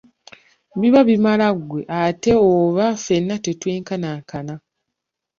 Biba bimala, ggwe ate oba ffenna tetwenkanankana.